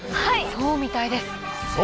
そうみたいです！